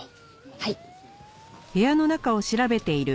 はい。